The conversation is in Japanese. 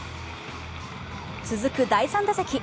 続く第３打席。